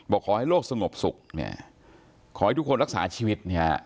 บอกขอให้โลกสงบสุขขอให้ทุกคนรักษาชีวิต